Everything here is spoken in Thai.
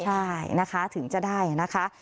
ใช่นะคะถึงจะได้นะคะ